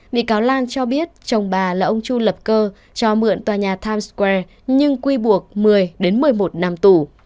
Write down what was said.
bị cáo lan cho biết chồng bà là ông chu lập cơ cho mượn tòa nhà times square nhưng quy buộc một mươi đến một mươi một năm tù